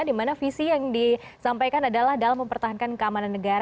dimana visi yang disampaikan adalah dalam mempertahankan keamanan negara